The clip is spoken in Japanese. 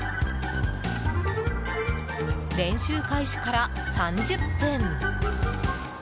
練習開始から３０分。